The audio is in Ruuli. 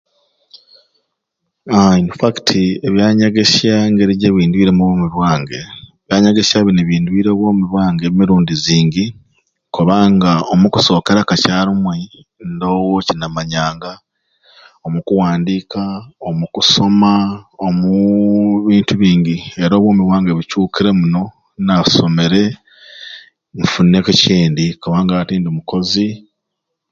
Aaa ini fakiti ebya nyegesya engeri gibwindwiremu obwoomi bwange, ebyanyegesya bini bindwiire obwoomi bwange emirundi zingi kubanga omu kusookera kacaalumwe ndoowo ki namanga omukuwandiika, omu kusoma omuuu bintu bingi era obwoomi bwange bucuukire muno nasomere nfuneku e kindi kubanga ati ndi mukozi